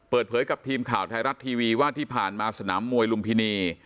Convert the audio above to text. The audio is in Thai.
เปิดเผยกับทีมข่าวไทยรัฐทีวีว่าที่ผ่านมาสนามมวยลุมพินี